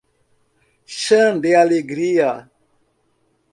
Chã de Alegria